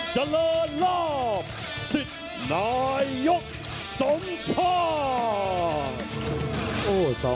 จันทร์รัมสิดนายกสมชาติ